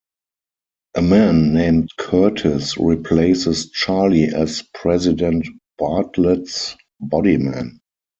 A man named Curtis replaces Charlie as President Bartlet's bodyman.